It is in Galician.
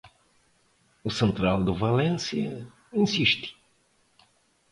O central do Valencia insiste.